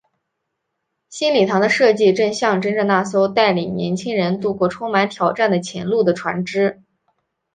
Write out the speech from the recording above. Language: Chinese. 新礼堂的设计正象征着那艘带领年青人渡过充满挑战的前路的船只。